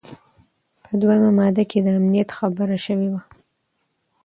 په دوهمه ماده کي د امنیت خبره شوې وه.